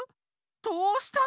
どうしたの？